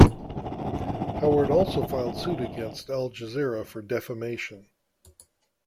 Howard also filed suit against Al Jazeera for defamation.